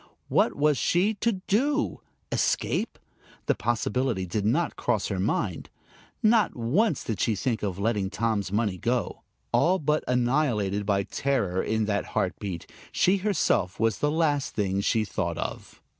What was she to do? Escape? The possibility did not cross her mind. Not once did she think of letting Tom's money go. All but annihilated by terror in that heartbeat, she herself was the last thing she thought of.